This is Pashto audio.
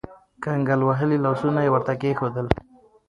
کنګل وهلي لاسونه يې ورته کېښودل.